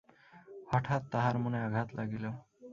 হঠাৎ তাহার মনে আঘাত লাগিল।